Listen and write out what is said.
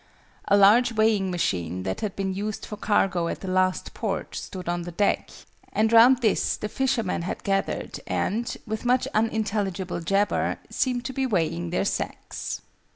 A large weighing machine, that had been used for cargo at the last port, stood on the deck; and round this the fishermen had gathered, and, with much unintelligible jabber, seemed to be weighing their sacks.